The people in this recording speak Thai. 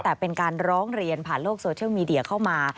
แต่เป็นการร้องเรียนผ่านโลกโซเชียลมีเดียเข้ามา